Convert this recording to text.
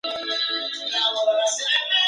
Está bajo la jurisdicción de la comuna de Quellón.